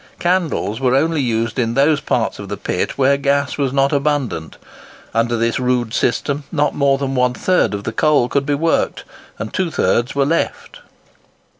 Candles were only used in those parts of the pit where gas was not abundant. Under this rude system not more than one third of the coal could be worked; and two thirds were left.